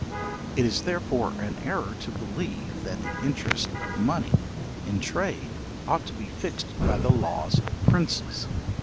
It is therefore an error to believe that the interest of money in trade ought to be fixed by the laws of princes.